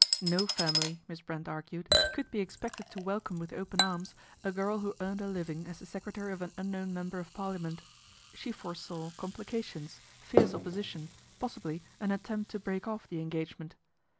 No family, Miss Brent argued, could be expected to welcome with open arms a girl who earned her living as the secretary of an unknown member of parliament. She foresaw complications, fierce opposition, possibly an attempt to break off the engagement.